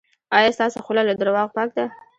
ایا ستاسو خوله له درواغو پاکه ده؟